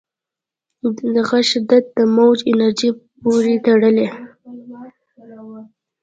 د غږ شدت د موج انرژۍ پورې تړلی.